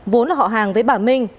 vốn là họ hàng với bà minh